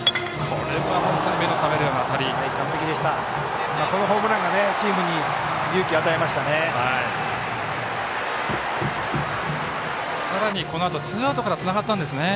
このホームランがチームに勇気を与えましたね。